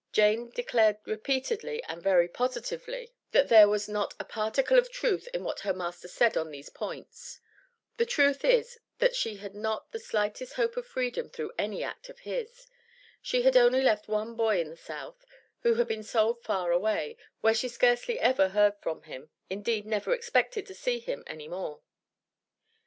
Jane declared repeatedly and very positively, that there was not a particle of truth in what her master said on these points. The truth is she had not the slightest hope of freedom through any act of his. She had only left one boy in the South, who had been sold far away, where she scarcely ever heard from him, indeed never expected to see him any more.